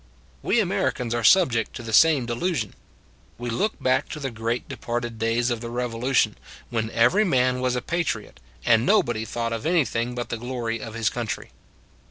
We Americans are subject to the same delusion. We look back to the great departed days of the Revolution, when every man was a patriot, and nobody thought of anything but the glory of his country.